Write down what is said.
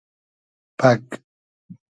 پئگ